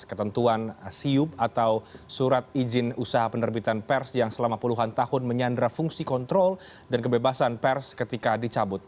ketentuan siup atau surat izin usaha penerbitan pers yang selama puluhan tahun menyandra fungsi kontrol dan kebebasan pers ketika dicabut